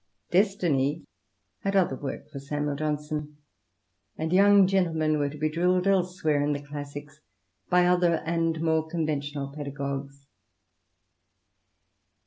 Destiny had other work for Samuel Johnson, and young gentlemen were to be drilled elsewhere in the classics by other and more conventional pedagogues.